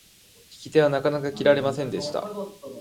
引き手はなかなか切らせませんでした。